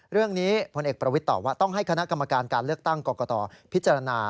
เรื่องนี้พลเอกประวิทย์ตอบว่าต้องให้คณะกรรมการการเลือกตั้งกรกตพิจารณา